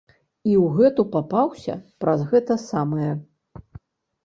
І ў гэту папаўся праз гэта самае.